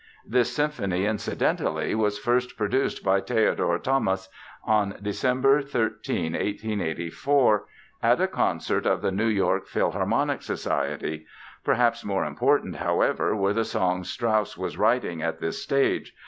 This symphony, incidentally, was first produced by Theodore Thomas, on December 13, 1884, at a concert of the New York Philharmonic Society. Perhaps more important, however, were the songs Strauss was writing at this stage.